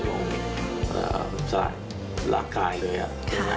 โอ้งสลายรากายเลยครับ